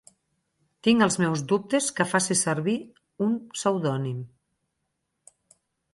Tinc els meus dubtes que facis servir un pseudònim.